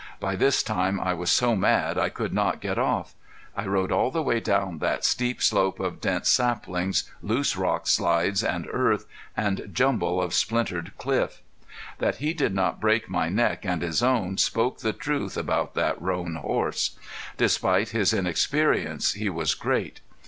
By this time I was so mad I would not get off. I rode all the way down that steep slope of dense saplings, loose rock slides and earth, and jumble of splintered cliff. That he did not break my neck and his own spoke the truth about that roan horse. Despite his inexperience he was great.